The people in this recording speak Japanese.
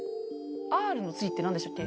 Ｒの次って何でしたっけ？